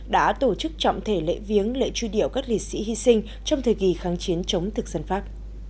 đã tổ chức trọng thể lễ viếng lễ truy điệu các liệt sĩ hy sinh trong thời kỳ kháng chiến chống thực dân pháp